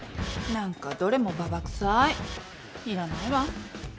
何かどれもばばくさいいらないわ。